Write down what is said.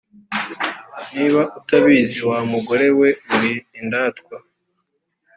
niba utabizi wa mugore we uri indatwa